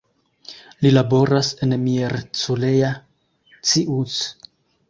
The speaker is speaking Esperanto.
Li laboras en Miercurea Ciuc.